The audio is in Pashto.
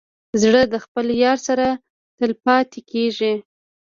زړه د خپل یار سره تل پاتې کېږي.